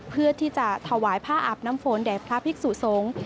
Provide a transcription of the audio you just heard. เพื่อที่จะถวายผ้าอาบน้ำฝนแด่พระภิกษุสงฆ์